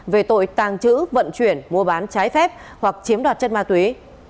về tội tàng trữ vận chuyển mua bán trái phép hoặc chiếm đoạt chất ma túy